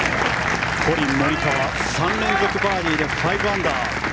コリン・モリカワ３連続バーディーで５アンダー。